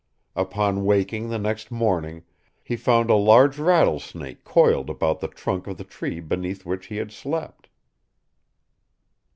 Upon waking the next morning, he found a large rattlesnake coiled about the trunk of the tree beneath which he had slept.